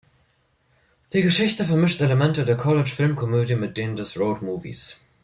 Die Geschichte vermischt Elemente der College-Filmkomödie mit denen des Roadmovies.